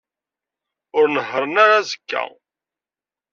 Ur nehhṛen ara azekka.